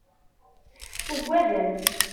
Uggaden.